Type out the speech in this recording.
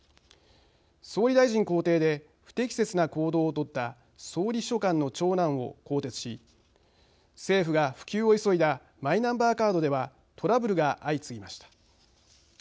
総理大臣公邸で不適切な行動を取った総理秘書官の長男を更迭し政府が普及を急いだマイナンバーカードではトラブルが相次ぎました。